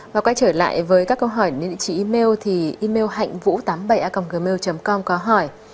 và quay trở lại với các câu hỏi đến địa chỉ email thì email hạnhvũ tám mươi bảy a gmail com có hỏi